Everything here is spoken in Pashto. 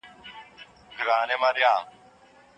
انلاين درس د ځای محدوديت کموي.